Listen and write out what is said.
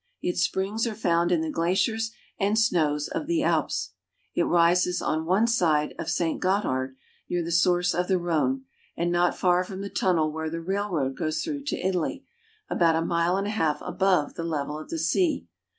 Its springs are found in the glaciers and snows of the Alps. It rises on one side of Saint Gothard (got'ard), near the source of the Rhone and not far from the tunnel where the rail road goes through to Italy, about a mile and a half above the level of the sea.